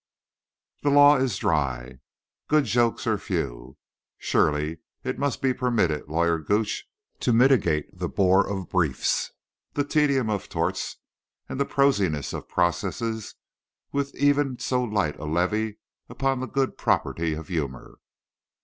The law is dry. Good jokes are few. Surely it might be permitted Lawyer Gooch to mitigate the bore of briefs, the tedium of torts and the prosiness of processes with even so light a levy upon the good property of humour.